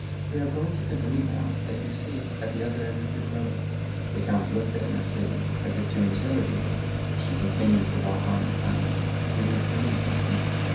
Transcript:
"We are going to the greenhouse that you see at the other end of the grove." The count looked at Mercédès as if to interrogate her, but she continued to walk on in silence, and he refrained from speaking.